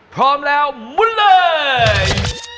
พร้อมแล้วมุนเลย